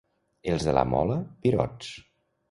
Els de la Mola, virots.